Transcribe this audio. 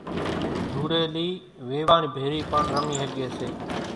ڌوڙيلي ويواڻ ڀيري پڻ رمي ۿڳي سي۔